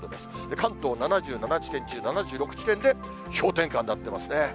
関東７７地点中７６地点で氷点下になってますね。